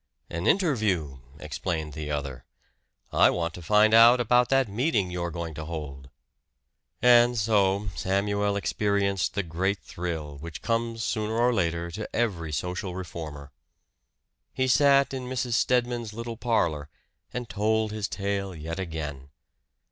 "An interview," explained the other. "I want to find out about that meeting you're going to hold." And so Samuel experienced the great thrill, which comes sooner or later to every social reformer. He sat in Mrs. Stedman's little parlor, and told his tale yet again.